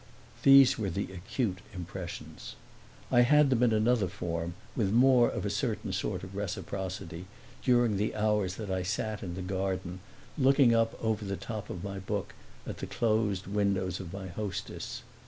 These were the acute impressions. I had them in another form, with more of a certain sort of reciprocity, during the hours that I sat in the garden looking up over the top of my book at the closed windows of my hostess.